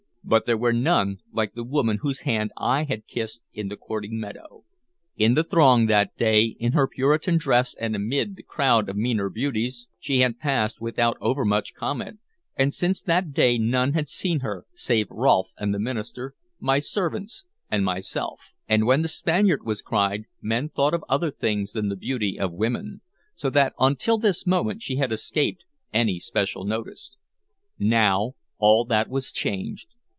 But there were none like the woman whose hand I had kissed in the courting meadow. In the throng, that day, in her Puritan dress and amid the crowd of meaner beauties, she had passed without overmuch comment, and since that day none had seen her save Rolfe and the minister, my servants and myself; and when "The Spaniard!" was cried, men thought of other things than the beauty of women; so that until this moment she had escaped any special notice. Now all that was changed.